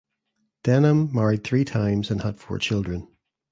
Denham married three times and had four children.